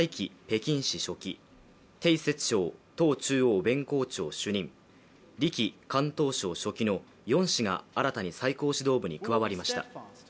北京市書記丁薛祥党中央弁公庁主任李希広東省書記の４氏が新たに最高指導部に加わりました。